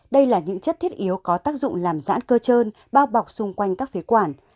đây là những chất thiết yếu có tác dụng làm dãn cơ trơn bao bọc xung quanh các phế quản